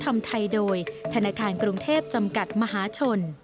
ทำไทยโดยธนาคารกรุงเทพจำกัดมหาชน